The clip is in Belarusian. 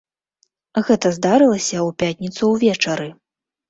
Гэта здарылася ў пятніцу ўвечары.